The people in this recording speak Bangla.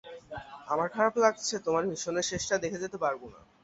আমার খারাপ লাগছে, তোমার মিশনের শেষটা দেখে যেতে পারবো না।